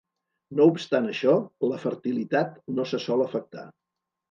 No obstant això, la fertilitat no se sol afectar.